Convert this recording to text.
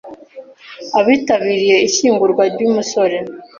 abitabiriye ishyingurwa ry’umusore